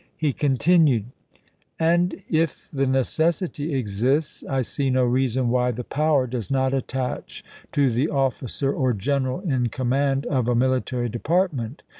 He continued: And if the necessity exists, I see no reason why the power does not attach to the officer or general in com mand of a military department.